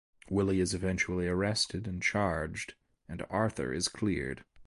Willy is eventually arrested and charged, and Arthur is cleared.